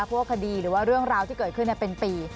พวกคดีหรือว่าเรื่องราวที่เกิดขึ้นเป็นปี